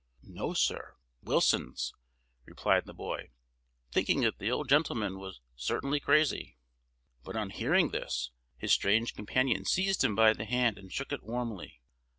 "No, sir; Willison's," replied the boy, thinking that the old gentleman was certainly crazy. But on hearing this, his strange companion seized him by the hand, and shook it warmly.